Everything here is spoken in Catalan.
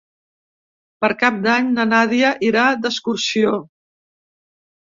Per Cap d'Any na Nàdia irà d'excursió.